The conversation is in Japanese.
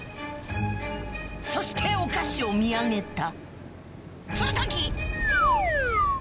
そしてお菓子を見上げたその時！